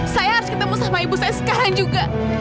saya harus ketemu sama ibu saya sekarang juga